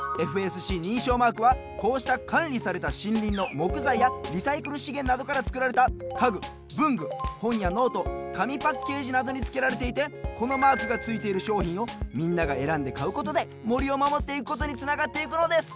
ＦＳＣにんしょうマークはこうしたかんりされたしんりんのもくざいやリサイクルしげんなどからつくられたかぐぶんぐほんやノートかみパッケージなどにつけられていてこのマークがついているしょうひんをみんながえらんでかうことでもりをまもっていくことにつながっていくのです。